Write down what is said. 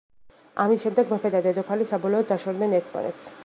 ამის შემდეგ მეფე და დედოფალი საბოლოოდ დაშორდნენ ერთმანეთს.